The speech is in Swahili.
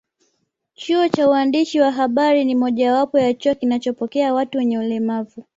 Chuo cha uandishi wa habari ni mojawapo ya chuo kinachopokea watu wenye ulemavu